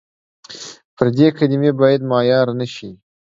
پردۍ کلمې باید معیار نه شي.